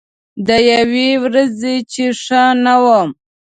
د یوې ورځې چې ښه نه وم